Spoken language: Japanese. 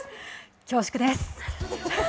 恐縮です。